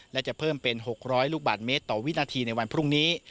และจะเพิ่มเป็น๖๐๐ลูกบาทเมตรต่อวินาทีในวันพรุ่งนี้